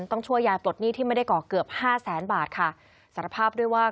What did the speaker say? ต้องช่วยยายปลดหนี้ที่ไม่ได้ก่อเกือบห้าแสนบาทค่ะสารภาพด้วยว่า